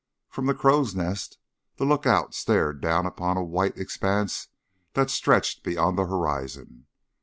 From the crow's nest the lookout stared down upon a white expanse that stretched beyond the horizon.